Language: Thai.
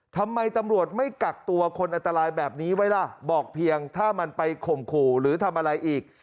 ทำไมตำรวจไม่กักตัวคนอันตรายแบบนี้ไว้ล่ะบอกเพียงถ้ามันไปข่มขู่หรือทำอะไรอีก